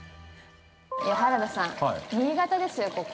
◆原田さん、新潟ですよ、ここ。